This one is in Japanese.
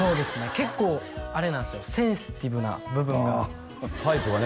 結構あれなんすよセンシティブな部分がタイプがね